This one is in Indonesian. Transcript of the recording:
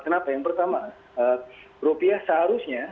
kenapa yang pertama rupiah seharusnya